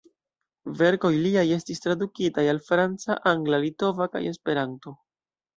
Verkoj liaj estis tradukitaj al franca, angla, litova kaj Esperanto.